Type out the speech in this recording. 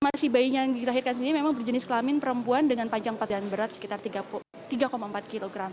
masih bayinya yang dilahirkan sendiri memang berjenis kelamin perempuan dengan panjang empat dan berat sekitar tiga empat kg